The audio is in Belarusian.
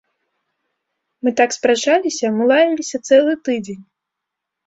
Мы так спрачаліся, мы лаяліся цэлы тыдзень.